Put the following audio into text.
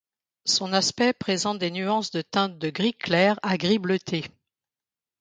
Son aspect présente des nuances de teinte de gris clair à gris bleuté.